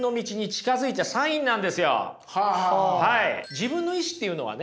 自分の意志っていうのはね